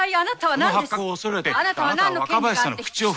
その発覚を恐れてあなたは若林さんの口を封じた。